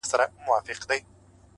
o څومره دي ښايست ورباندي ټك واهه،